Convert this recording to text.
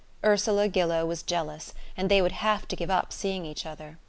Ursula Gillow was jealous, and they would have to give up seeing each other.